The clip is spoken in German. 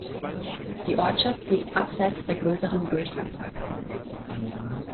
Die Ortschaft liegt abseits der größeren Durchgangsachsen.